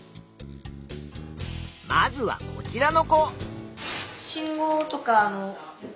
まずはこちらの子。